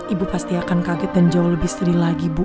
ibu pasti akan kaget dan jauh lebih sri lagi bu